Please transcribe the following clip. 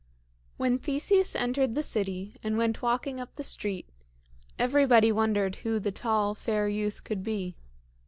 When Theseus entered the city and went walking up the street everybody wondered who the tall, fair youth could be.